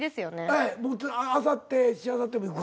ええあさってしあさっても行く。